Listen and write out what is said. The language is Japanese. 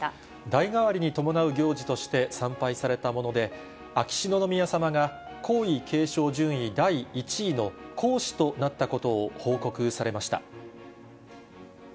代替わりに伴う行事として参拝されたもので、秋篠宮さまが皇位継承順位第１位の皇嗣となったことを報告されました。